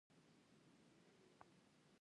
د عامه کتابتون تر ادارې لاندې یې فعالیت پیل کړ.